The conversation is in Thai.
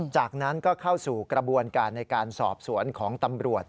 จากนั้นก็เข้าสู่กระบวนการในการสอบสวนของตำรวจ